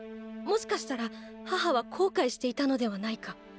もしかしたら母は後悔していたのではないか。